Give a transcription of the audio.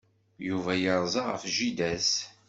Yuba yerza ɣef jida-s.